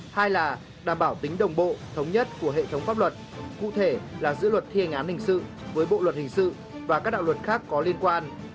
hai là đảm bảo tính đồng bộ thống nhất của hệ thống pháp luật cụ thể là giữa luật thi hành án hình sự với bộ luật hình sự và các đạo luật khác có liên quan